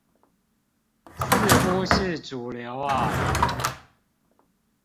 似乎是主流啊